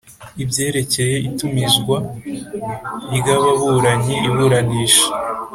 Ibyerekeye itumizwa ry ababuranyi iburanisha